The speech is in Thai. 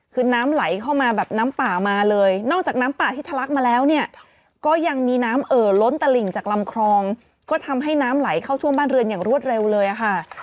คือน้ำไหลเข้ามาแบบน้ำป่ามาเลยนอกจากน้ำป่าที่ทะลักมาแล้วเนี่ยก็ยังมีน้ำเอ่อล้นตลิ่งจากลำคลองก็ทำให้น้ำไหลเข้าท่วมบ้านเรือนอย่างรวดเร็วเลยค่ะ